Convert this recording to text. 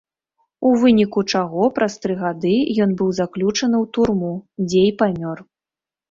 У выніку чаго, праз тры гады, ён быў заключаны ў турму, дзе і памёр.